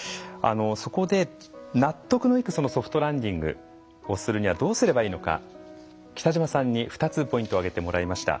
そこで納得のいくソフトランディングをするにはどうすればいいのか来島さんに２つポイントを挙げてもらいました。